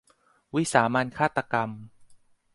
วิสามัญฆาตกรรม